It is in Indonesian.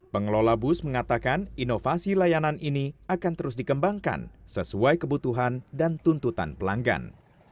pengelola bus mengatakan inovasi layanan ini akan terus dikembangkan sesuai kebutuhan dan tuntutan pelanggan